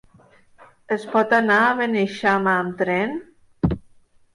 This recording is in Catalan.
Es pot anar a Beneixama amb tren?